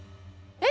えっ！？